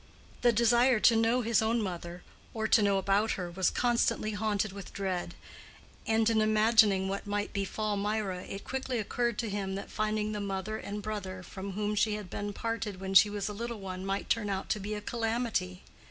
The desire to know his own mother, or to know about her, was constantly haunted with dread; and in imagining what might befall Mirah it quickly occurred to him that finding the mother and brother from whom she had been parted when she was a little one might turn out to be a calamity.